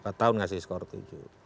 empat tahun ngasih skor tujuh